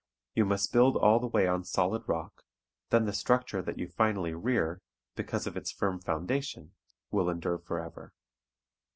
You must build all the way on solid rock, then the structure that you finally rear, because of its firm foundation will endure forever.